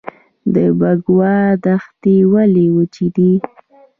د بکوا دښتې ولې وچې دي؟